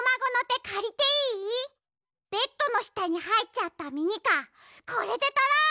ベッドのしたにはいっちゃったミニカーこれでとろう！